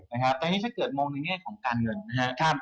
นะครับแต่อันนี้จะเกิดมองในแง่ของการเงินนะครับ